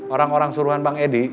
orang orang suruhan bang edi